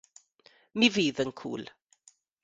Mi fydd yn cŵl.